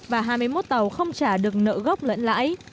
và hai mươi một tàu không trả được nợ gốc lẫn lãi